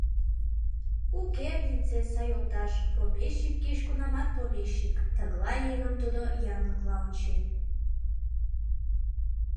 Уке, принцесса йолташ, помещик кеч-кунамат помещик, тыглай еҥым тудо янлыкла ончен.